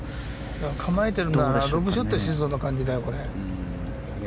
構えているのはロブショットしそうな感じだよ。